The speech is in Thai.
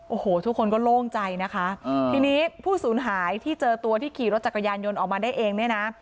โอ้โหทุกคนก็โล่งใจนะคะทีนี้ผู้สูญหายที่เจอตัวที่ขี่รถจักรยานยนต์ออกมาได้เองเนี่ยนะ